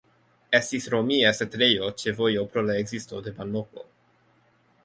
Estis romia setlejo ĉe vojo pro la ekzisto de banloko.